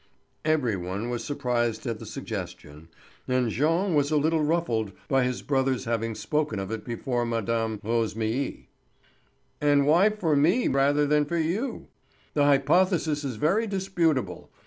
Every one was surprised at the suggestion, and Jean was a little ruffled by his brother's having spoken of it before Mme. Rosémilly. "And why for me rather than for you? The hypothesis is very disputable.